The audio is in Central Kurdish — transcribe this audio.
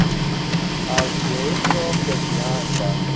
هاوشێوەی مرۆڤ لە جیهاندا